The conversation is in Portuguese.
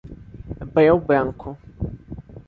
Breu Branco